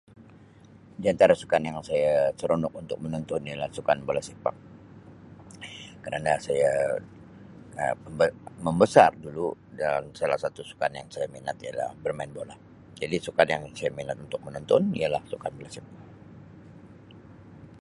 Di antara sukan yang saya seronok untuk menontonya ialah sukan bola sepak kerana saya Um mem-membesar dulu dan salah satu sukan yang saya minat ialah bermain bola jadi sukan yang saya minat untuk menonton ialah sukan bola sepak.